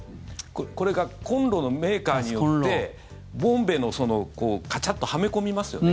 これ、コンロのメーカーによってボンベをカチャッとはめ込みますよね